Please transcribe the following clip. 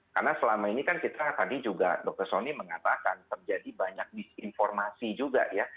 karena selama ini kan kita tadi juga dokter sony mengatakan terjadi banyak disinformasi juga ya